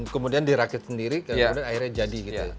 kemudian dirakit sendiri kemudian akhirnya jadi gitu